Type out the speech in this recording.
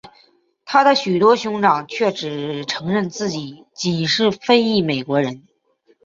他的许多兄长却只承认自己仅是非裔美国人。